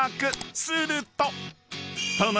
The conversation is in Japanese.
すると］